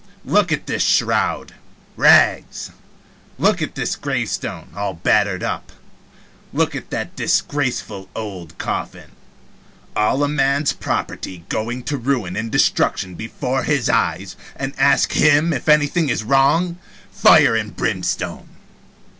Look at this shroud rags. Look at this gravestone, all battered up. Look at that disgraceful old coffin. All a man's property going to ruin and destruction before his eyes, and ask him if anything is wrong? Fire and brimstone!"